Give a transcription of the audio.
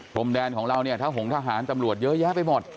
พรมแดนของเราเนี่ยทะหงทหารตำรวจเยอะแยะไปหมด